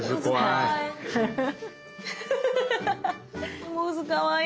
はい。